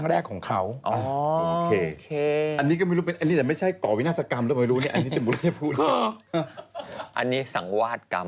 อันนี้สังวาดกรรม